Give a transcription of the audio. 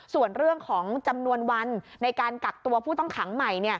ส่วนเรื่องของจำนวนวันในการกักตัวผู้ต้องขังใหม่